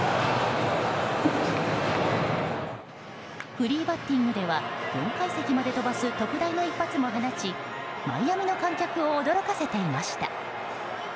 フリーバッティングでは４階席まで飛ばす特大の一発も放ちマイアミの観客を驚かせていました。